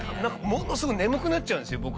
ものすごい眠くなっちゃうんです